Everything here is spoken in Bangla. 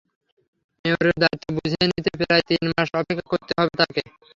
মেয়রের দায়িত্ব বুঝে নিতে প্রায় তিন মাস অপেক্ষা করতে হবে তাঁকে।